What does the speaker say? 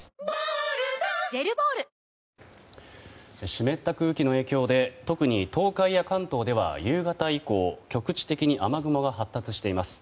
湿った空気の影響で特に東海や関東では夕方以降局地的に雨雲が発達しています。